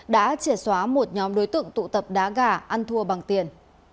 đã trẻ xóa một nhóm đối tượng tụ tập đá gà ăn thua bằng tiền